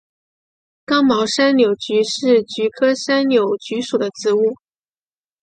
刚毛山柳菊是菊科山柳菊属的植物。